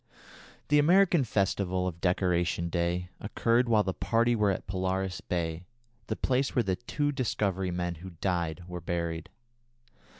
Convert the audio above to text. The American festival of "Decoration Day" occurred while the party were at Polaris Bay, the place where the two Discovery men who died were buried.